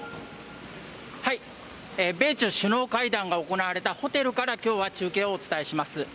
米中首脳会談が行われたホテルから、きょうは中継をお伝えします。